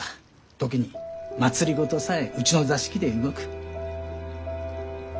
時に政さえうちの座敷で動く。